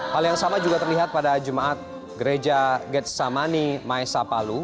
hal yang sama juga terlihat pada jemaat gereja getsamani maesapalu